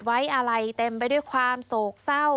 ไว้อะไรเต็มไปด้วยความโศกเศร้า